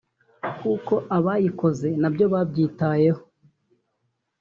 kuko abayikoze nabyo babyitayeho